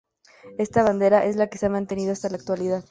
Esta bandera es la que se ha mantenido hasta la actualidad.